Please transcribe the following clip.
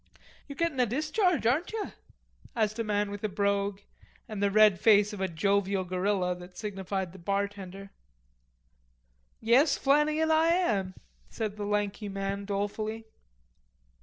"You're gettin' a dis charge, aren't you?" asked a man with a brogue, and the red face of a jovial gorilla, that signified the bartender. "Yes, Flannagan, I am," said the lanky man dolefully.